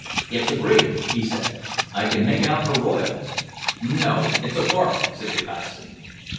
"It's a brig," he said; "I can make out her royals." "No, it's a barque," said the coxswain.